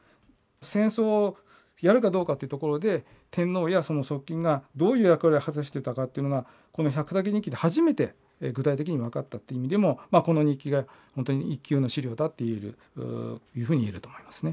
戦争をやるかどうかというところで天皇やその側近がどういう役割を果たしていたかというのがこの「百武日記」で初めて具体的に分かったっていう意味でもこの日記が本当に一級の資料だって言えるっていうふうに言えると思いますね。